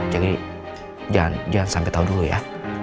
jadi jangan sampai tahu dulu ya